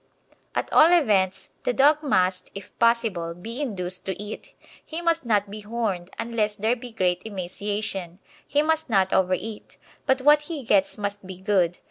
At all events, the dog must, if possible, be induced to eat; he must not be "horned" unless there be great emaciation; he must not over eat, but what he gets must be good.